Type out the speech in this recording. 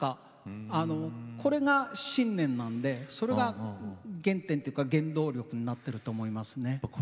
これが信念なんでそれが原点というか原動力になってると思いますね。